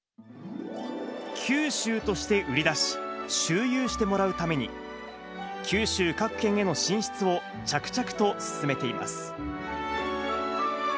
九州として売り出し、周遊してもらうために、九州各県への進出を着々と進めています。